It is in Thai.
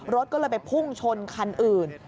รถก็เลยไปพุ่งชนคันอื่น